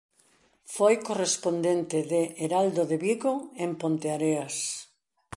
Foi correspondente de "Heraldo de Vigo" en Ponteareas.